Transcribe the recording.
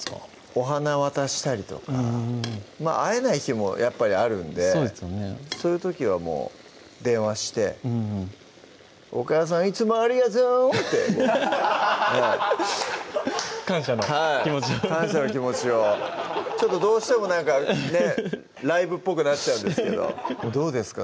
お花渡したりとかうん会えない日もやっぱりあるんでそうですよねそういう時はもう電話して「お母さんいつもありがとう！」ってはい感謝の気持ちをはい感謝の気持ちをちょっとどうしてもなんかねライブっぽくなっちゃうんですけどどうですか？